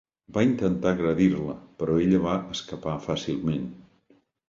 Va intentar agredir-la, però ella va escapar fàcilment.